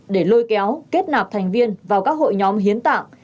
để lôi kéo kết nạp thành viên vào các hội nhóm hiến tạng